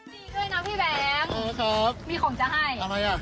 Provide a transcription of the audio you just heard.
ดีดีด้วยนะพี่แบมมีของจะให้